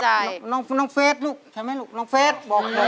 กำลังใจน้องเฟซลูกใช่ไหมลูกน้องเฟซลูก